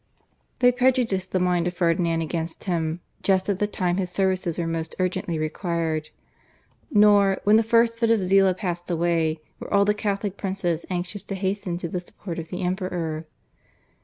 They prejudiced the mind of Ferdinand against him just at the time his services were most urgently required. Nor, when the first fit of zeal had passed away, were all the Catholic princes anxious to hasten to the support of the Emperor.